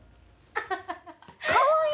かわいい！